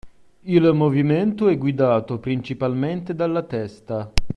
Il movimento è guidato principalmente dalla testa.